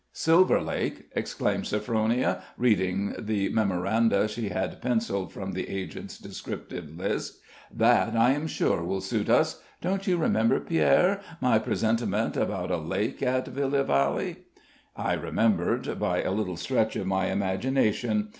"Silver Lake!" exclaimed Sophronia, reading from the memoranda she had penciled from the agent's descriptive list. "That, I am sure, will suit us. Don't you remember, Pierre, my presentiment about a lake at Villa Valley?" I remembered, by a little stretch of my imagination.